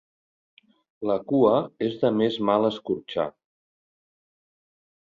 La cua és de més mal escorxar.